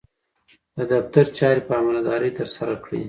د دفتر چارې په امانتدارۍ ترسره کړئ.